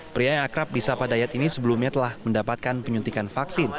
pria yang akrab di sapa dayat ini sebelumnya telah mendapatkan penyuntikan vaksin